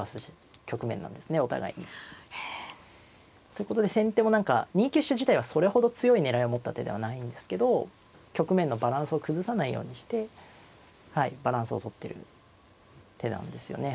ということで先手も何か２九飛車自体はそれほど強い狙いを持った手ではないんですけど局面のバランスを崩さないようにしてバランスをとってる手なんですよね。